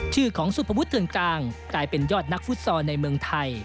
ชื่อของสุภวุฒิเถื่อนกลางกลายเป็นยอดนักฟุตซอลในเมืองไทย